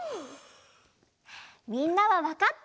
みんなはわかった？